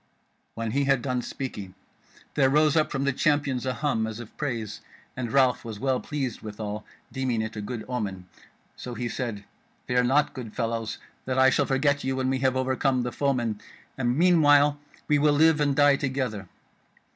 When he had done speaking there rose up from the Champions a hum as of praise, and Ralph was well pleased withal, deeming it a good omen; so he said: "Fear not, good fellows, that I shall forget you when we have overcome the foemen, and meanwhile we will live and die together.